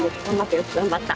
よく頑張った。